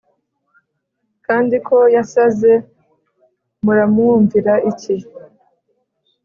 kandi ko yasaze Muramwumvira iki